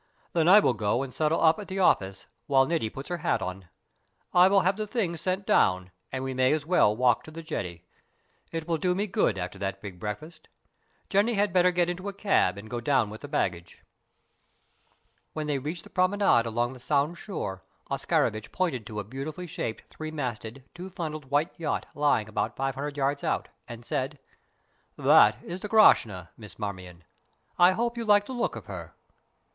"Then I will go and settle up at the office while Niti puts her hat on. I will have the things sent down, and we may as well walk to the jetty. It will do me good after that big breakfast. Jenny had better get into a cab and go down with the luggage." When they reached the promenade along the Sound shore Oscarovitch pointed to a beautifully shaped, three masted, two funnelled white yacht lying about five hundred yards out, and said: "That is the Grashna, Miss Marmion. I hope you like the look of her."